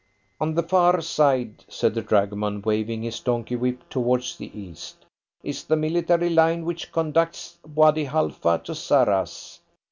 "On the far side," said the dragoman, waving his donkey whip towards the east, "is the military line which conducts Wady Halfa to Sarras.